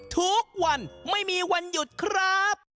ทุกวันไม่มีวันหยุดครับ